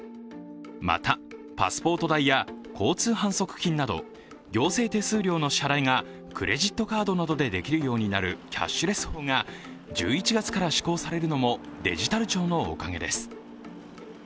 また、パスポート代や交通反則金など、行政手数料の支払いがクレジットカードなどでできるようになるキャッシュレス法が１１月から施行されるのもデジタル庁のおかげです。